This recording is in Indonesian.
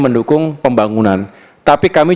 mendukung pembangunan tapi kami